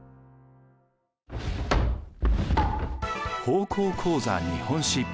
「高校講座日本史」。